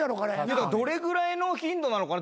けどどれぐらいの頻度なのか。